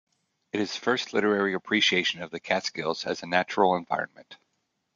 It is the first literary appreciation of the Catskills as a natural environment.